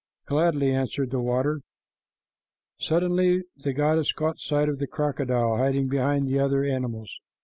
"Gladly," answered the water. Suddenly the goddess caught sight of the crocodile hiding behind the other animals.